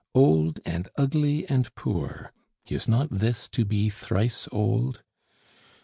Old and ugly and poor is not this to be thrice old?